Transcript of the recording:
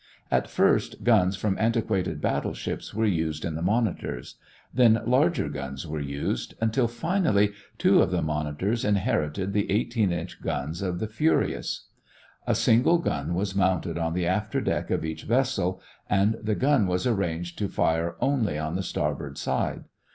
At first guns from antiquated battle ships were used in the monitors; then larger guns were used, until finally two of the monitors inherited the 18 inch guns of the Furious. A single gun was mounted on the after deck of each vessel and the gun was arranged to fire only on the starboard side.